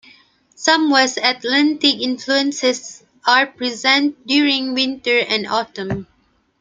Some West-Atlantic influences are present during winter and autumn.